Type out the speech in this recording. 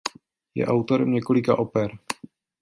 Je autorem několika oper.